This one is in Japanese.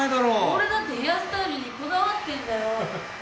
俺だってヘアスタイルにこだわってんだよ。